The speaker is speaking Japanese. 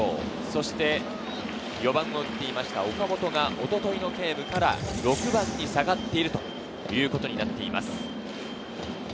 そして４番を打っていた岡本が一昨日のゲームから６番に下がっているということになっています。